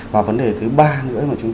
và vấn đề thứ ba nữa